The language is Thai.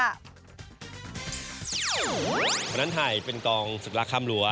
วันนั้นถ่ายเป็นกองศึกละค่ำรั้ว